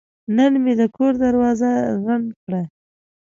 نن مې د کور دروازه رنګ کړه.